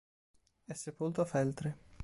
È sepolto a Feltre.